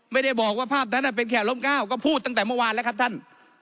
ไม่ได้บอกว่าภาพนั้นเป็นแขกล้มก้าวก็พูดตั้งแต่เมื่อวานแล้วครับท่าน